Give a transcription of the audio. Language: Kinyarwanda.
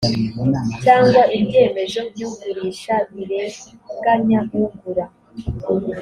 cyangwa ibyemezo by’ugurisha birenganya ugura